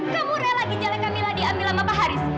kamu rela gijalah kamila diambil sama pak haris